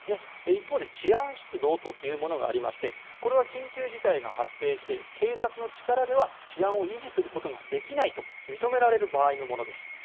一方で治安出動というものがありましてこれは緊急事態が発生して警察の力では治安を維持することができないと認められる場合のものです。